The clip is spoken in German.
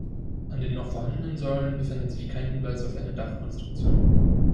An den noch vorhandenen Säulen befindet sich kein Hinweis auf eine Dachkonstruktion.